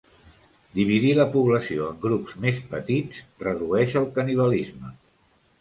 Dividir la població en grups més petits redueix el canibalisme.